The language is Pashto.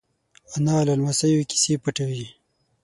انا له لمسيو کیسې پټوي